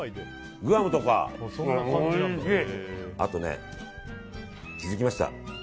あとね、気づきました。